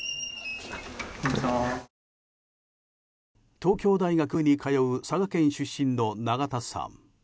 東京大学に通う佐賀県出身の永田さん。